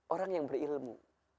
orang yang berilmu